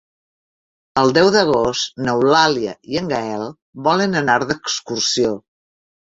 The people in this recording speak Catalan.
El deu d'agost n'Eulàlia i en Gaël volen anar d'excursió.